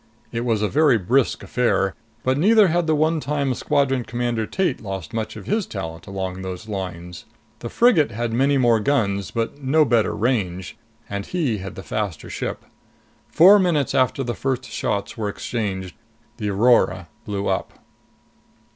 It was a very brisk affair. But neither had the onetime Squadron Commander Tate lost much of his talent along those lines. The frigate had many more guns but no better range. And he had the faster ship. Four minutes after the first shots were exchanged, the Aurora blew up.